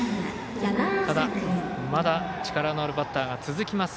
ただ、まだ力のあるバッターが続きます。